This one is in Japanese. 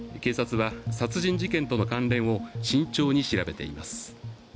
警察は殺人事件との関連を慎重に調べています。